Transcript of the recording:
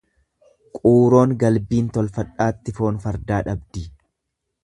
Quuroon galbiin tolfadhaatti foon fardaa dhabdi.